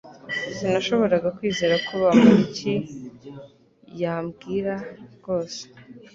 Sinashoboraga kwizera ko Bamoriki yambwira rwose